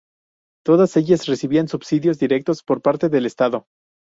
Todas ellas recibían subsidios directos por parte del estado.